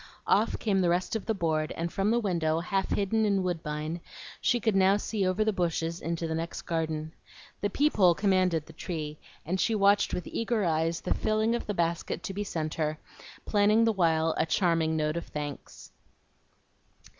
Off came the rest of the board, and from the window, half hidden in woodbine, she could now see over the bushes into the next garden. The peep hole commanded the tree, and she watched with eager eyes the filling of the basket to be sent her, planning the while a charming note of thanks.